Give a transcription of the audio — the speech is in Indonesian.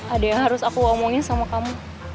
ada yang harus aku omongin sama kamu